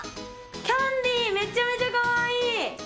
キャンディーめちゃめちゃ可愛い！